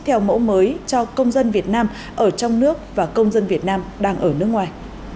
theo mẫu mới cho công dân việt nam ở trong nước và công dân việt nam đang ở nước ngoài